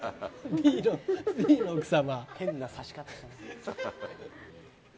Ｂの奥様。